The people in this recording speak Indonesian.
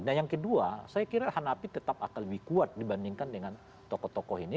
nah yang kedua saya kira hanafi tetap akan lebih kuat dibandingkan dengan tokoh tokoh ini